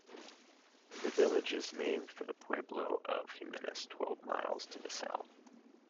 The village is named for the Pueblo of Jemez twelve miles to the south.